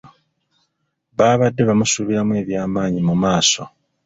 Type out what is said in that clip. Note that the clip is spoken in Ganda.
Baabadde bamusuubiramu ebyamaanyi mu maaso.